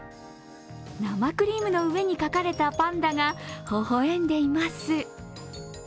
生クリームの上に描かれたパンダがほほ笑んでいます。